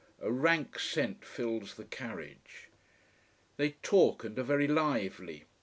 A rank scent fills the carriage. They talk and are very lively.